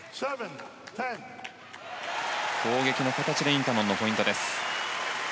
攻撃の形でインタノンのポイントです。